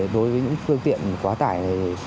đối với những phương tiện quá tải